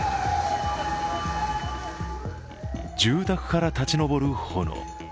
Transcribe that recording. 住宅から立ち上る炎。